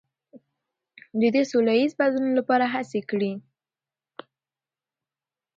ده د سولهییز بدلون لپاره هڅې کړي.